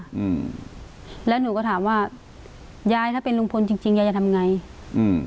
อืมแล้วหนูก็ถามว่ายายถ้าเป็นลุงพลจริงจริงยายจะทำไงอืม